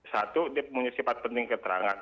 satu dia punya sifat penting keterangan